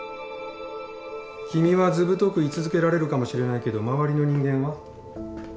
君はずぶとく居続けられるかもしれないけど周りの人間は？